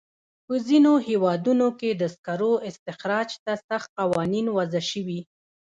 په ځینو هېوادونو کې د سکرو استخراج ته سخت قوانین وضع شوي.